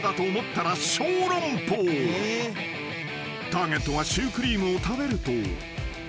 ［ターゲットがシュークリームを食べると］